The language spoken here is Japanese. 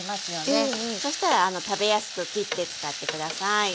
そしたら食べやすく切って使って下さい。